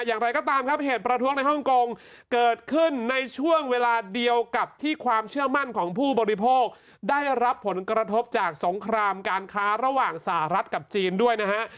อย่างไรก็ตามครับเหตุประท้วงในฮ่องกงเกิดขึ้นในช่วงเวลาเดียวกับที่ความเชื่อมั่นของผู้บริโภคได้รับผลกระทบจากสงครามการค้าระหว่างสหรัฐกับจีนด้วยนะฮะ